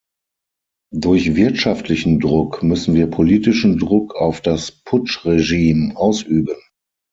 Durch wirtschaftlichen Druck müssen wir politischen Druck auf das Putschregime ausüben.